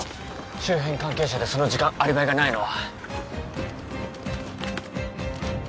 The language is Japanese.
周辺関係者でその時間アリバイがないのは？